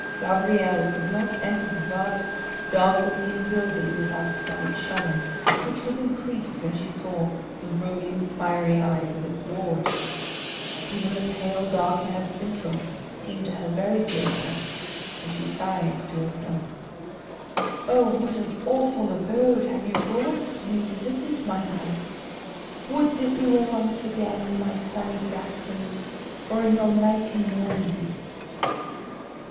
Gabrielle could not enter the vast dark looking building without a slight shudder, which was increased when she saw the rolling fiery eyes of its lord; even the pale, dark haired Sintram seemed to her very fearful; and she sighed to herself, "Oh! what an awful abode have you brought me to visit, my knight! Would that we were once again in my sunny Gascony, or in your knightly Normandy!"